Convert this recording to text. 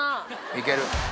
いける。